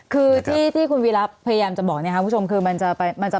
คือที่คุณวีรับพยายามจะบอกคุณผู้ชม